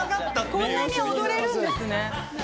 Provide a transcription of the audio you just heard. こんなに踊れるんですね。